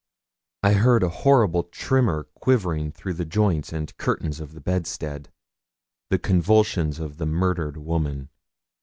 I heard a horrible tremor quivering through the joints and curtains of the bedstead the convulsions of the murdered woman.